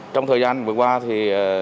trong thời gian vừa qua thì